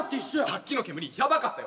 さっきの煙やばかったよ。